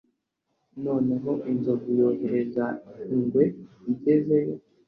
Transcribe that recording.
Noneho inzovu yohereza i ingwe igezeyo